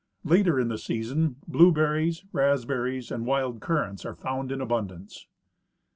Later in the season blueberries, raspberries and wild currants are found in abundance.